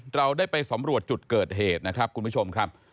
เราได้ไปสำรวจจุดเกิดเหตุนะครับคุณผู้ชมครับ